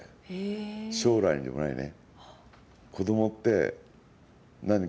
将来でもないね。